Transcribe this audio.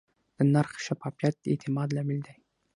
د نرخ شفافیت د اعتماد لامل دی.